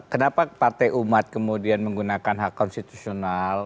kenapa partai umat kemudian menggunakan hak konstitusional